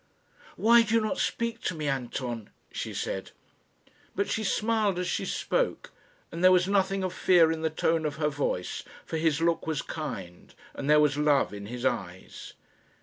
"Why do you not speak to me, Anton?" she said. But she smiled as she spoke, and there was nothing of fear in the tone of her voice, for his look was kind, and there was love in his eyes.